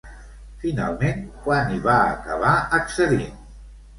Finalment, quan hi va acabar accedint?